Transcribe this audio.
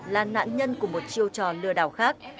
là nạn nhân của một chiêu trò lừa đảo khác